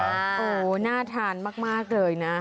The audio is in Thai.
โน่น่าทานมากเลยนะ